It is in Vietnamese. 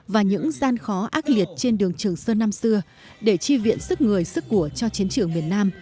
và những gian khó ác liệt trên đường trường sơn năm xưa để chi viện sức người sức của cho chiến trường miền nam